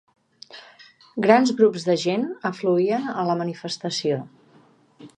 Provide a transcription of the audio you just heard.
Grans grups de gent afluïen a la manifestació.